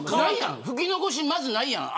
拭き残しはまずないやん。